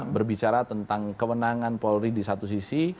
berbicara tentang kewenangan polri di satu sisi